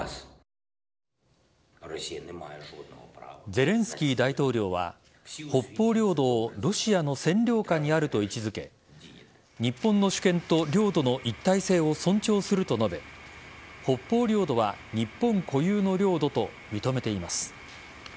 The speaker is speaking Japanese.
ゼレンスキー大統領は北方領土をロシアの占領下にあると位置付け日本の主権と領土の一体性を尊重すると述べ北方領土は日本固有の領土と認めています。